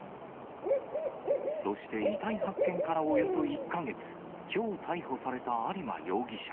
そして遺体発見からおよそ１か月、きょう逮捕された有馬容疑者。